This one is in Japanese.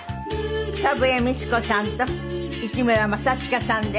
草笛光子さんと市村正親さんです。